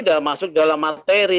udah masuk dalam materi